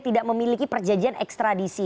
tidak memiliki perjanjian ekstradisi